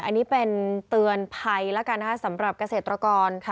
อันนี้เป็นเตือนภัยสำหรับเกษตรกร